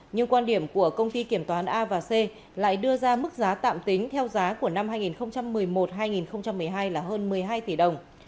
nhưng quan điểm của công ty kiểm toán a và c lại đưa ra mức giá tạm tính theo giá của năm hai nghìn một mươi một hai nghìn một mươi hai là hơn một mươi hai tỷ đồng